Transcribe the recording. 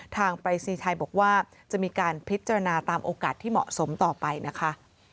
ปรายศนีย์ไทยบอกว่าจะมีการพิจารณาตามโอกาสที่เหมาะสมต่อไปนะคะ